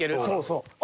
そうそう。